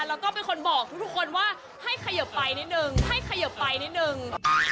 แล้วก็เป็นคนบอกทุกคนว่าให้เขยิบไปนิดนึงให้ขยิบไปนิดนึง